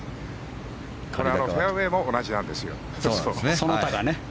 フェアウェーも同じなんですよ。